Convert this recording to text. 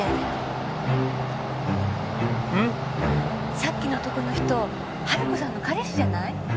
さっきの男の人春子さんの彼氏じゃない？